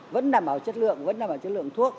vẫn nằm vào chất lượng vẫn nằm vào chất lượng thuốc